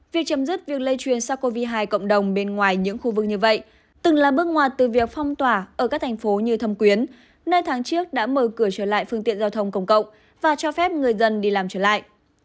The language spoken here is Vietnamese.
việc chấm dứt việc lây truyền sars cov hai cộng đồng bên ngoài những khu vực như vậy từng là bước ngoặt từ việc phong tỏa ở các thành phố như thâm quyến nơi tháng trước đã mở cửa trở lại phương tiện giao thông công cộng và cho phép người dân đi làm trở lại